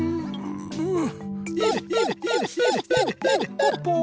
ポッポー。